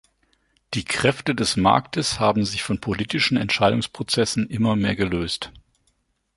Die Kräfte des Marktes haben sich von politischen Entscheidungsprozessen immer mehr gelöst.